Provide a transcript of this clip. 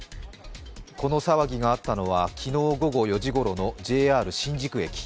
この騒ぎがあったのは、昨日午後４時ごろのＪＲ新宿駅。